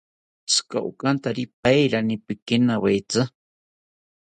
Tzika okanta pairani pikinawetzi